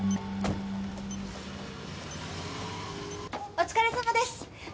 お疲れさまです！